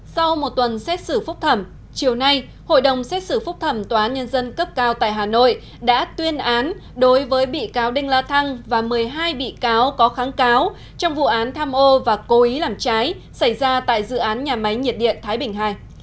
sau một tuần xét xử phúc thẩm chiều nay hội đồng xét xử phúc thẩm tòa án nhân dân cấp cao tại hà nội đã tuyên án đối với bị cáo đinh la thăng và một mươi hai bị cáo có kháng cáo trong vụ án tham ô và cố ý làm trái xảy ra tại dự án nhà máy nhiệt điện thái bình ii